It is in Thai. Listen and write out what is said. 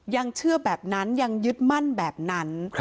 ยังเชื่อแบบนั้นยังยึดมั่นแบบนั้น